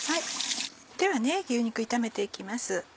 では牛肉炒めて行きます。